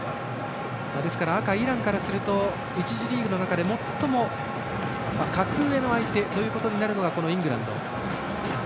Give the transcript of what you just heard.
ですから赤、イランからすると１次リーグの中で最も格上の相手となるのがこのイングランド。